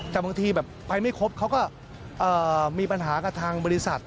แต่บางทีแบบไปไม่ครบเขาก็มีปัญหากับทางบริษัท